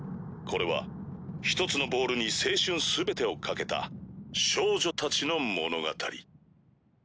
これは一つのボールに青春全てを賭けた少女たちの物語。